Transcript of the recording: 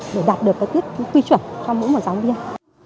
để đạt được cái quy chuẩn cho mỗi một giáo viên